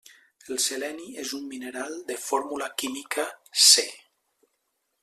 El seleni és un mineral de fórmula química Se.